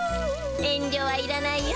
遠りょはいらないよ。